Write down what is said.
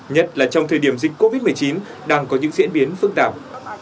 nhất là trong thời điểm dịch covid một mươi chín đang có những diễn biến phức tạp